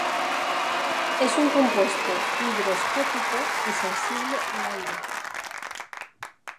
Es un compuesto higroscópico y sensible al aire.